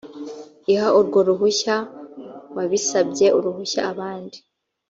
iha urwo ruhushya wabisabye urusha abandi